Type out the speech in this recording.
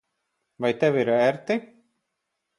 Vai tev ir ērti?